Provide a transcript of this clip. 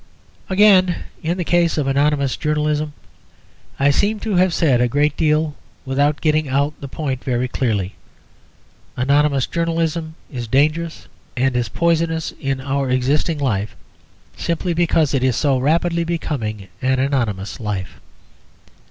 Again, in the case of anonymous journalism I seem to have said a great deal without getting out the point very clearly. Anonymous journalism is dangerous, and is poisonous in our existing life simply because it is so rapidly becoming an anonymous life.